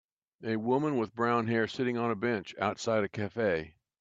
a woman with brown hair sitting on a bench outside a cafe.